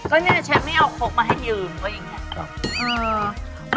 ก็เนี่ยแชฟนี้เอาโคกมาให้ยืม